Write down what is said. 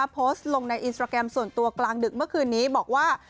โพสต์ลงในอินสตราแกรมส่วนตัวกลางดึกเมื่อคืนนี้บอกว่า